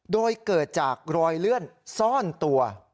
โดยเกิดจากรอยเลื่อนซ่อนตัว